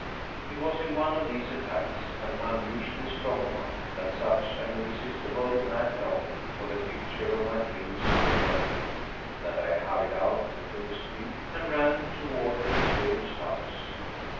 It was in one of these attacks, an unusually strong one, that such an irresistible, mad long ing for the picture of my dreams came over me, that I hur ried out into the street and ran toward the mysterious house.